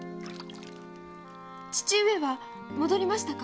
父上は戻りましたか？